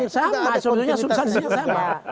sama sebenarnya suksesnya sama